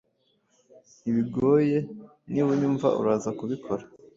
Ntibigoye, niba unyumva, uraza kubikora